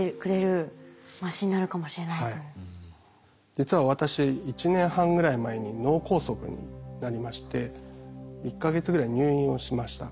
実は私１年半ぐらい前に脳梗塞になりまして１か月ぐらい入院をしました。